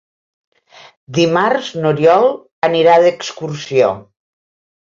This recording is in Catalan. Dimarts n'Oriol anirà d'excursió.